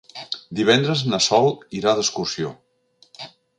Divendres na Sol irà d'excursió.